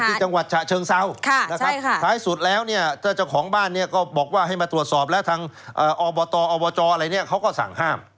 ที่จังหวัดเชิงเซาถ้าของบ้านก็บอกว่าให้มาตรวจสอบแล้วทางอบอะไรเขาก็สั่งห้าม